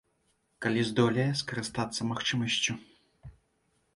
Калі здолее скарыстацца магчымасцю.